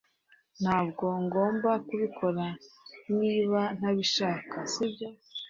Ntabwo ngomba kubikora niba ntabishaka, sibyo?